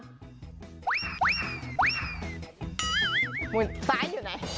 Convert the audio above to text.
ซ้ายอยู่ไหน